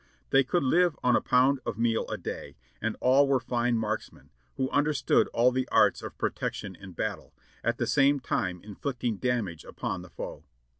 They could live on a pound of meal a day; and all were fine marksmen, who understood all the arts of pro tection in battle, at the same time inflicting damage upon the foe.